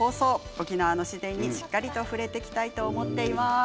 沖縄の自然にしっかりと触れていきたいと思っています。